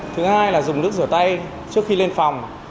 thứ hai là dùng nước rửa tay trước khi lên phòng